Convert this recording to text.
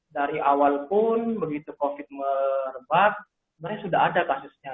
dari awal pun begitu covid merebak sebenarnya sudah ada kasusnya